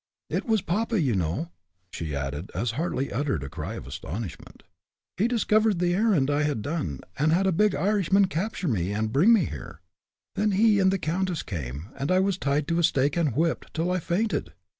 "It was papa, you know!" Sue added, as Hartly uttered a cry of astonishment. "He discovered the errand I had done, and had a big Irishman capture me and bring me here. Then he and the countess came, and I was tied to a stake and whipped till I fainted.